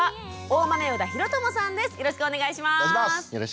よろしくお願いします。